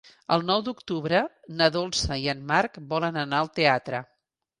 El nou d'octubre na Dolça i en Marc volen anar al teatre.